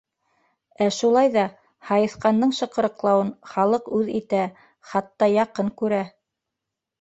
Ә шулай ҙа һайыҫҡандың шыҡырыҡлауын халыҡ үҙ итә, хатта яҡын күрә.